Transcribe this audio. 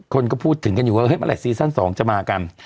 คนก็พูดถึงกันอยู่ว่าเมื่อไหซีซั่น๒จะมากัน